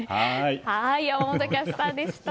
山本キャスターでした。